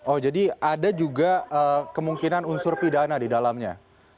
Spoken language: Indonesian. oh jadi ada juga kemungkinan unsur pidana di dalamnya